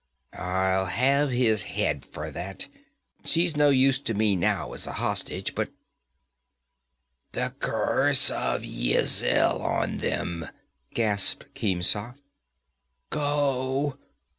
I'll have his head for that. She's no use to me now as a hostage, but ' 'The curse of Yizil on them!' gasped Khemsa. 'Go!